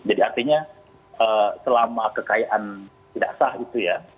jadi artinya selama kekayaan tidak sah itu ya